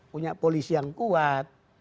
punya polisi yang kuat